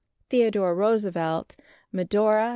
Theodore Roosevelt, Medora, N.